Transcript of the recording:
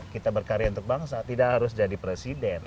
kita berkarya untuk bangsa tidak harus jadi presiden